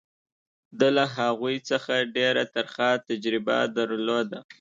ده له هغوی څخه ډېره ترخه تجربه درلوده.